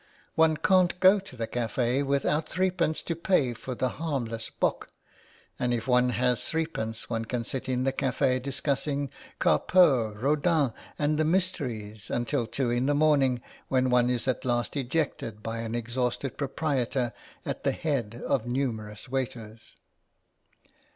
*' One can't go to the cafe without threepence to pay for the harmless bock, and if one has threepence one can sit in the caf6 discussing Carpeaux, Rodin, and the mysteries, until two in the morning, when one is at last ejected by an exhausted proprietor at the head of numerous waiters.'